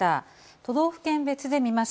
都道府県別で見ます。